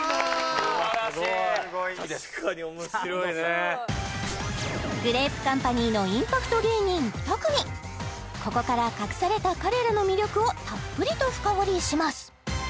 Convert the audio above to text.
・すごいな確かにおもしろいねグレープカンパニーのインパクト芸人２組ここから隠された彼らの魅力をたっぷりと深掘りします